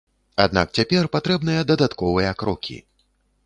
Аднак цяпер патрэбныя дадатковыя крокі.